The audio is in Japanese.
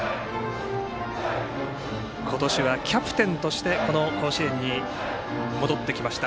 今年は、キャプテンとしてこの甲子園に戻ってきました。